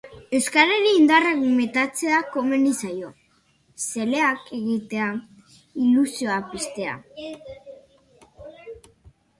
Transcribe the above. Euskarari indarrak metatzea komeni zaio, zaleak egitea, ilusioa piztea.